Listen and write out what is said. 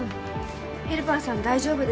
ヘルパーさん大丈夫でした？